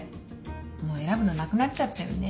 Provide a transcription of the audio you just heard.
もう選ぶのなくなっちゃったよね。